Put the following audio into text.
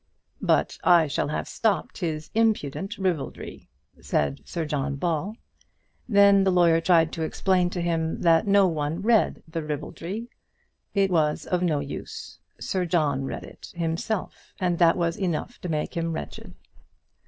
"But I shall have stopped his impudent ribaldry," said Sir John Ball. Then the lawyer tried to explain to him that no one read the ribaldry. It was of no use. Sir John read it himself, and that was enough to make him wretched.